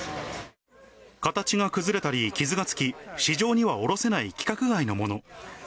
形が崩れたり傷がつき、市場には卸せない規格外のもの。